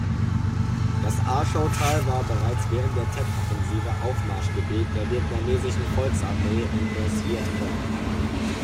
Das A-Shau-Tal war bereits während der Tet-Offensive Aufmarschgebiet der Vietnamesischen Volksarmee und des Vietcong.